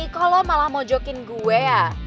kok lo malah mau jokin gue ya